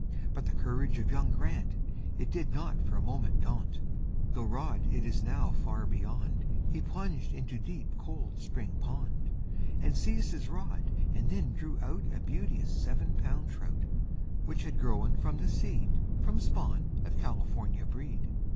But the courage of young Grant, It did not for a moment daunt, Though rod it now is far beyond, He plunged into deep, cold spring pond. And seized his rod and then drew out A beauteous seven pound trout, Which had grown from the seed From spawn of California breed.